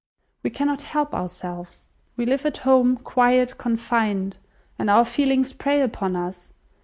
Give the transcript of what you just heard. We cannot help ourselves. We live at home, quiet, confined, and our feelings prey upon us.